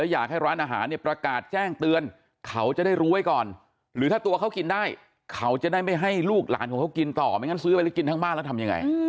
ใช่เขาจะได้ไม่ให้ลูกหลานของเขากินต่อไม่งั้นซื้อไปกินทั้งบ้านแล้วทำยังไง